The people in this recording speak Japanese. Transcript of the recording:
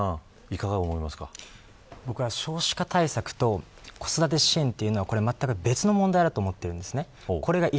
僕は少子化対策と子育て支援は、まったく別の問題だと思ってるんですね。